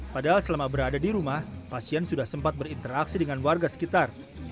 padahal selama berada di rumah pasien sudah sempat berinteraksi dengan warga sekitar